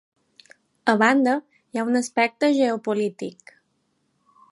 A banda, hi ha un aspecte geopolític.